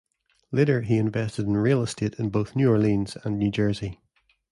Later, he invested in real estate in both New Orleans and New Jersey.